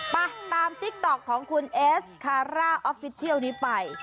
ไปตามติ๊กต๊อกของคุณเอสคาร่าออฟฟิเชียลนี้ไป